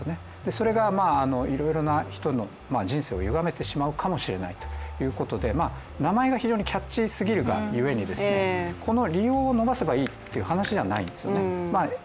それがいろいろな人の人生をゆがめてしまうかもしれないということで、名前が非常にキャッチーすぎるが故にこの利用を伸ばせばいいという話じゃないんですよね。